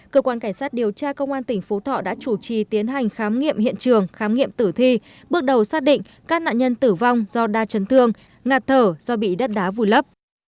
cơ quan cảnh sát điều tra công an tỉnh phú thọ đã chủ trì tiến hành khám nghiệm hiện trường khám nghiệm tử thi bước đầu xác định các nạn nhân tử vong do đa chấn thương ngạt thở do bị đất đá vùi lấp